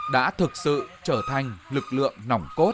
đã thực sự trở thành lực lượng nổng cốt